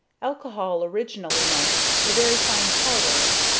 Alcohol originally meant a very fine powder.